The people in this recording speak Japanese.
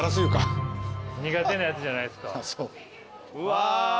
うわ。